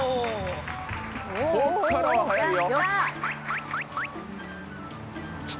こっからは早いよ